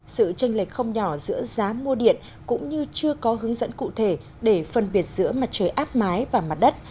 sự tranh lệch không nhỏ giữa giá mua điện cũng như chưa có hướng dẫn cụ thể để phân biệt giữa mặt trời áp mái và mặt đất